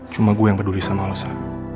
cuma gue yang peduli sama lo sa